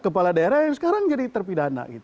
kepala daerah yang sekarang jadi terpidana